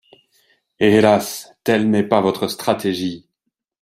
Hélas, telle n’est pas votre stratégie.